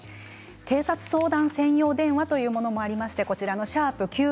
警察相談専用電話というものもあります。